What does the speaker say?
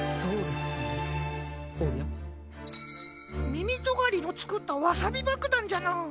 みみとがりのつくったワサビばくだんじゃな。